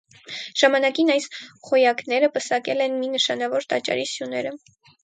Ժամանակին այս խոյակները պսակել են մի նշանավոր տաճարի սյուները։